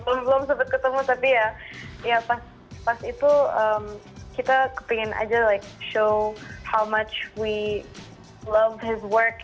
belum sempet ketemu tapi ya pas itu kita kepengen aja like show how much we love his work